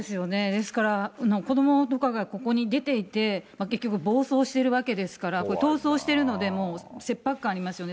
ですから、子どもとかがここに出ていて、結局、暴走してるわけですから、これ、逃走してるので、切迫感ありますよね。